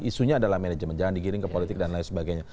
isunya adalah manajemen jangan digiring ke politik dan lain sebagainya